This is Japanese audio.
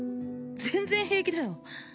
全然平気だよ